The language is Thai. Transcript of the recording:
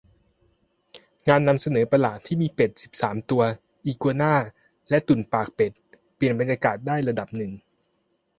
งานนำเสนอประหลาดที่มีเป็ดสิบสามตัว อีกัวน่า และตุ่นปากเป็ด เปลี่ยนบรรยากาศได้ระดับหนึ่ง